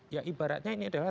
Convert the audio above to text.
ya ibaratnya ini adalah